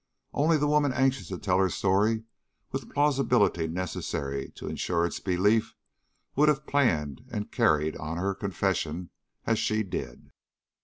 Only the woman anxious to tell her story with the plausibility necessary to insure its belief would have planned and carried on her confession as she did.